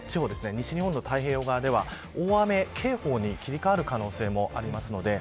西日本の太平洋側では大雨警報に切り替わる可能性もあります。